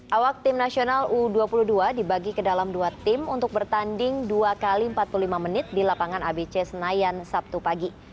awak tim nasional u dua puluh dua dibagi ke dalam dua tim untuk bertanding dua x empat puluh lima menit di lapangan abc senayan sabtu pagi